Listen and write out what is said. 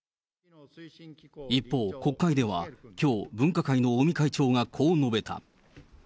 一方、国会ではきょう、分科会の尾身会長がこう述べた。